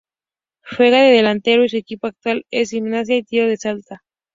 Juega de delantero y su equipo actual es Gimnasia y Tiro de Salta.